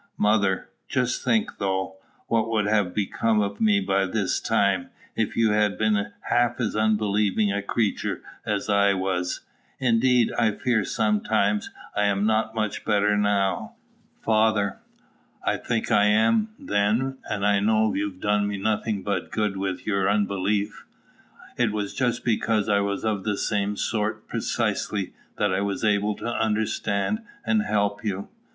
Mother. Just think, though, what would have become of me by this time, if you had been half as unbelieving a creature as I was. Indeed, I fear sometimes I am not much better now. Father. I think I am, then; and I know you've done me nothing but good with your unbelief. It was just because I was of the same sort precisely that I was able to understand and help you.